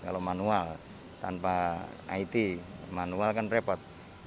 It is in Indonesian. kalau manual tanpa it manual kan repot